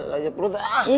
udah aja perut ya